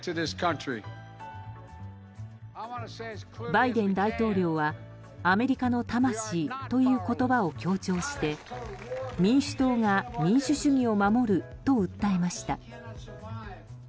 バイデン大統領はアメリカの魂という言葉を強調して民主党が民主主義を守ると訴えました。